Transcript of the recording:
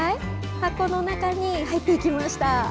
箱の中に入っていきました。